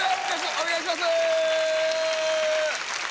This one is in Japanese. お願いします！